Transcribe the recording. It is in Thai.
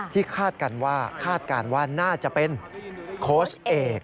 ที่คาดการณ์ว่าน่าจะเป็นโค้ชเอก